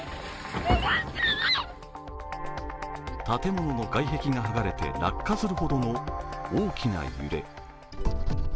建物の外壁が剥がれて落下するほどの大きな揺れ。